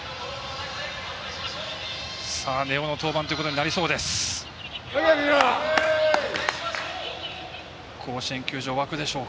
根尾の登板ということになりました。